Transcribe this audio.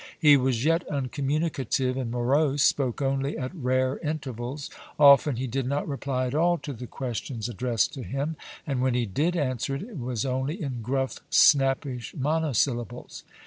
He was yet uncommunicative and morose, spoke only at rare intervals; often he did not reply at all to the questions addressed to him, and when he did answer it was only in gruff, snappish monosyllables.